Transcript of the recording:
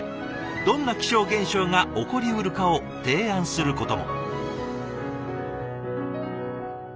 どんな気象現象が起こりうるかを提案することも。